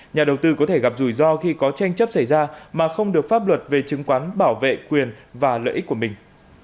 nhà đầu tư có thể gặp rủi ro khi có tranh chấp xảy ra mà không được pháp luật về chứng khoán bảo vệ quyền và lợi ích của mình